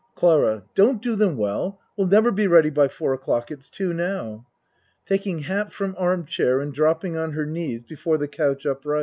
CLARA Don't do them well. We'll never be ready by four o'clock. It's two now. (Taking hat from arm chair and dropping on her knees be fore the couch up R.